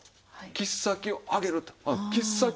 切っ先を上げる。